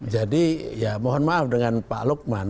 jadi ya mohon maaf dengan pak lukman